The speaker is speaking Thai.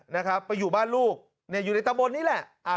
นะครับไปอยู่บ้านลูกเนี่ยอยู่ในตะบนนี่แหละ